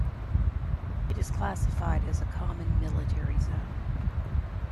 It is classified as a Common Military Zone.